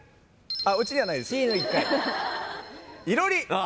あっうちにはないです。